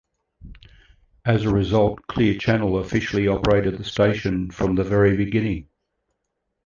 As a result, Clear Channel officially operated the station from the very beginning.